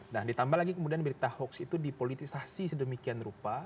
nah ditambah lagi kemudian berita hoax itu dipolitisasi sedemikian rupa